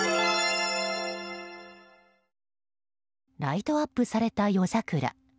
ライトアップされた夜桜。